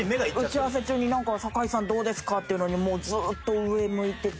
打ち合わせ中になんか「坂井さんどうですか？」って言うのにもうずっと上向いてて。